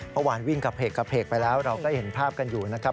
เมื่อวานวิ่งกระเพกไปแล้วเราก็เห็นภาพกันอยู่นะครับ